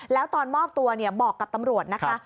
แล้วตอนมอบตัวบอกกับตำรวจนะคะ